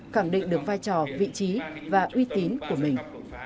khẳng định được vai trò vị trí và uy tín của mình